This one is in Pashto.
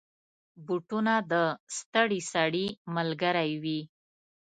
بوټونه د ستړي سړي ملګری وي.